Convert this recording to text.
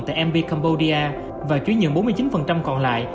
tại mp cambodia và chuyển nhượng bốn mươi chín còn lại